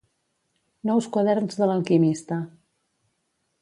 Nous Quaderns de l'Alquimista.